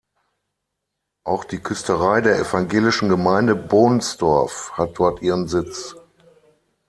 Auch die Küsterei der evangelischen Gemeinde Bohnsdorf hat dort ihren Sitz.